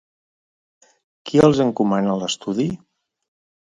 Qui els encomana l'estudi?